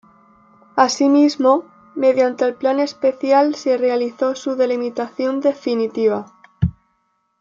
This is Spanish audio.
Asimismo, mediante el Plan especial se realizó su delimitación definitiva.